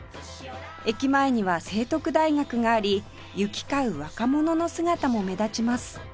駅前には聖徳大学があり行き交う若者の姿も目立ちます